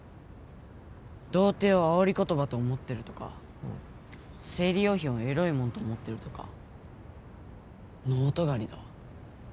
童貞をあおり言葉と思ってるとか生理用品をエロいもんと思ってるとかノー尖りだわ。